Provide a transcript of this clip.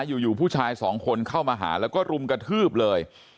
อยู่ผู้ชายสองคนเข้ามาหาแล้วก็รุมกระทืบเลย